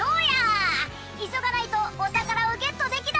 いそがないとおたからをゲットできないぞ！